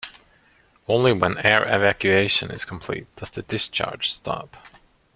Only when air evacuation is complete does the discharge stop.